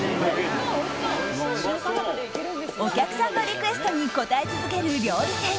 お客さんのリクエストに応え続ける料理店。